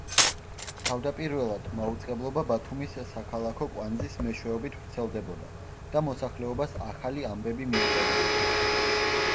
თავდაპირველად, მაუწყებლობა ბათუმის საქალაქო კვანძის მეშვეობით ვრცელდებოდა და მოსახლეობას ახალი ამბები მიეწოდებოდა.